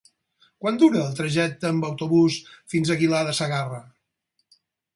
Quant dura el trajecte en autobús fins a Aguilar de Segarra?